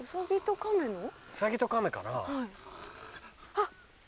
あっ！